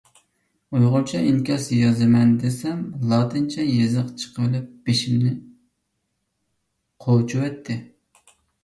ئۇيغۇرچە ئىنكاس يازىمەن دېسەم، لاتىنچە يېزىق چىقىۋېلىپ بېشىمنى قوچۇۋەتتى.